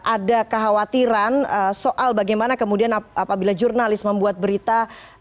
ada kekhawatiran soal bagaimana kemudian apabila jurnalis membuat berita